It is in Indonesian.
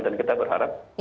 dan kita berharap